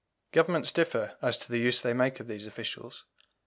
Governments differ as to the use they make of these officials.